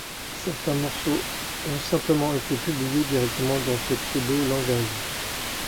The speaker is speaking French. Certains morceaux ont simplement été publiés directement dans ce pseudo langage.